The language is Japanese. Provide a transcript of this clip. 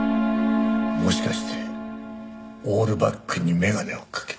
もしかしてオールバックに眼鏡をかけた？